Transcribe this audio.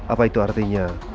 apa itu artinya